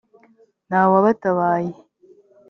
nta wabatabaye